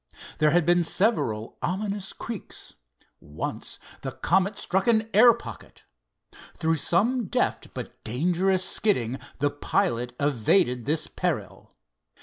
There had been several ominous creaks. Once the Comet struck an air pocket. Through some deft but dangerous skidding the pilot evaded this peril.